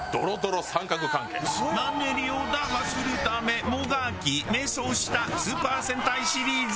マンネリを打破するためもがき迷走したスーパー戦隊シリーズ。